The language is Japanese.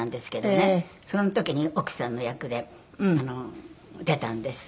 その時に奥さんの役で出たんです。